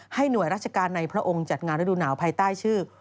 หน่วยราชการในพระองค์จัดงานฤดูหนาวภายใต้ชื่อ